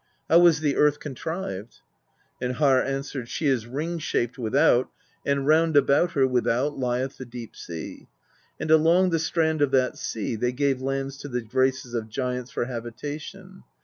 How was the earth contrived?" And Harr answered: "She is ring shaped without, and round about THE BEGUILING OF GYLFI 21 her without lieth the deep sea; and along the strand of that sea they gave lands to the races of giants for habitation.